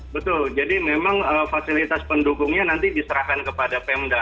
betul jadi memang fasilitas pendukungnya nanti diserahkan kepada pemda